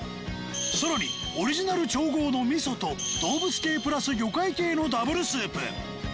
さらにオリジナル調合の味噌と動物系プラス魚介系の Ｗ スープ